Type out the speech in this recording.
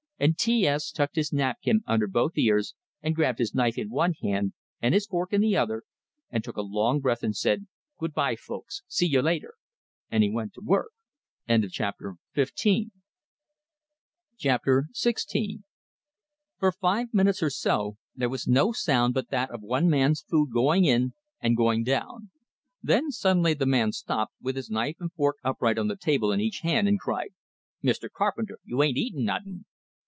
And T S tucked his napkin under both ears, and grabbed his knife in one hand and his fork in the other, and took a long breath, and said: "Good bye, folks. See you later!" And he went to work. XVI For five minutes or so there was no sound but that of one man's food going in and going down. Then suddenly the man stopped, with his knife and fork upright on the table in each hand, and cried: "Mr. Carpenter, you ain't eatin' nuttin'!"